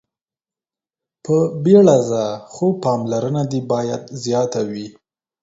په بيړه ځه خو پاملرنه دې باید زياته وي.